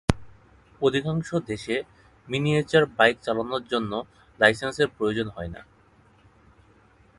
অধিকাংশ দেশে, miniature bike চালানোর জন্য লাইসেন্সের প্রয়োজন হয় না।